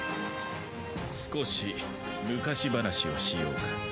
少し昔話をしようか。